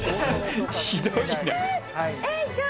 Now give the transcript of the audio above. ひどいな。